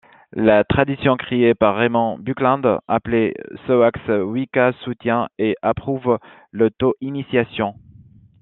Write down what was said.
La tradition créée par Raymond Buckland, appelée Seax Wica, soutient et approuve l'auto-initiation.